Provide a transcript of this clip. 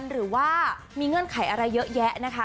หรือว่ามีเงื่อนไขอะไรเยอะแยะนะคะ